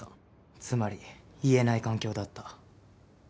つまり言えない環境だった。